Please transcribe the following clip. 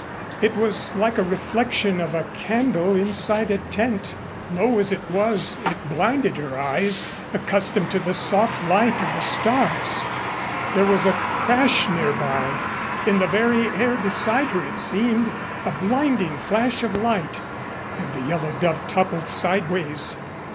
It was like a reflection of a candle inside a tent. Low as it was, it blinded her eyes, accustomed to the soft light of the stars. There was a crash nearby, in the very air beside her it seemed, a blinding flash of light, and the Yellow Dove toppled sideways.